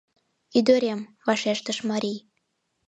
— Ӱдырем, — вашештыш марий.